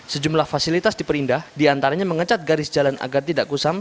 sejumlah fasilitas diperindah diantaranya mengecat garis jalan agar tidak kusam